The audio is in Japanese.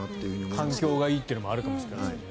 環境がいいというのもあるかもしれないですね。